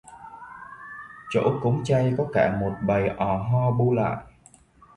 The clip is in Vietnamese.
Chỗ cúng chay có cả một bầy ò ho bu lại